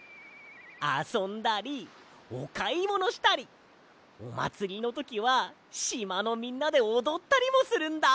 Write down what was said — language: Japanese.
あそんだりおかいものしたりおまつりのときはしまのみんなでおどったりもするんだ！